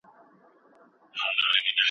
مهربان انسان ته د الله نږدېکت حاصلیږي.